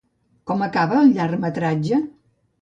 Com acaba el llargmetratge?